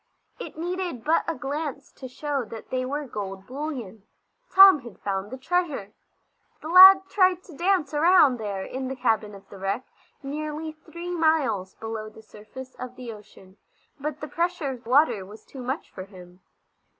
It needed but a glance to show that they were gold bullion. Tom had found the treasure. The lad tried to dance around there in the cabin of the wreck, nearly three miles below the surface of the ocean, but the pressure of water was too much for him.